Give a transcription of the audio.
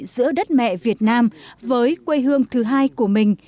giữa đất mẹ việt nam với quê hương thứ hai của mình